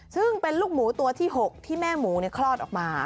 ซึ่งเป็นลูกหมูตัวที่๖ที่แม่หมูคลอดออกมา